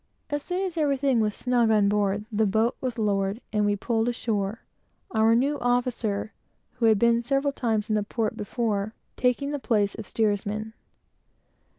As soon as everything was snug on board, the boat was lowered, and we pulled ashore, our new officer, who had been several times in the port before, taking the place of steersman.